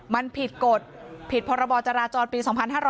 มันผิดกฎผิดพรจปี๒๕๒๒